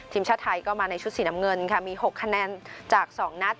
ทีมชาติไทยก็มาในชุดสีน้ำเงินค่ะมี๖คะแนนจาก๒นัด